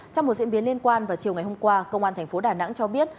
trong một diễn biến liên quan vào chiều ngày hôm qua công an thành phố đà nẵng cho biết